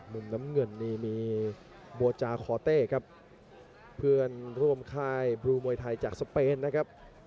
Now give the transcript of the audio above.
มุมน้ำเงินนี่มีโบจาคอเต้ครับเพื่อนร่วมค่ายบลูมวยไทยจากสเปนนะครับ